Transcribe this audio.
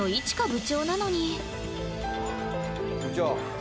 部長。